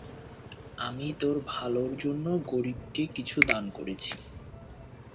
আমি তোর ভালোর জন্য গরিবকে কিছু দান করেছি।